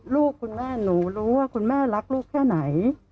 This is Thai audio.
ลูกคุณแม่หนูรู้ว่าคุณแม่รักลูกแค่ไหน